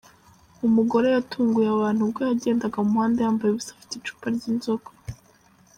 Umugore yatunguye abantu ubwo yagendaga mu muhanda yambaye ubusa afite icupa ry’inzoga.